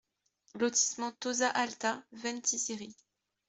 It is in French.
Lotissement Tozza Alta, Ventiseri